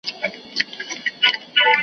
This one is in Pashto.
له خندا شین سي ورته نڅیږي .